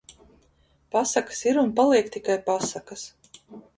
Pasakas ir un paliek tikai pasakas